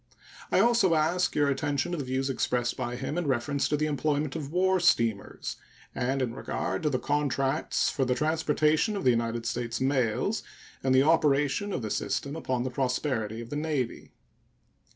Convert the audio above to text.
I also ask your attention to the views expressed by him in reference to the employment of war steamers and in regard to the contracts for the transportation of the United States mails and the operation of the system upon the prosperity of the Navy.